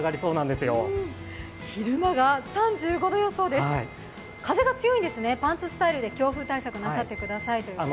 昼間が３５度予想です、風が強いんですね、パンツスタイルで強風対策なさってくださいということで。